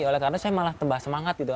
oleh karena saya malah tebah semangat gitu